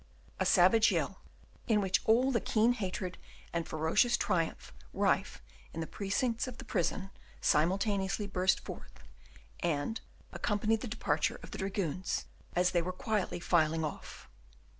A savage yell, in which all the keen hatred and ferocious triumph rife in the precincts of the prison simultaneously burst forth, and accompanied the departure of the dragoons, as they were quietly filing off.